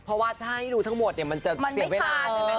เพราะว่าถ้าให้ดูทั้งหมดเนี่ยมันจะเสียเวลาใช่ไหม